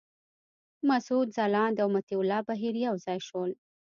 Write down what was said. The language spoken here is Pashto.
مسعود ځلاند او مطیع الله بهیر یو ځای شول.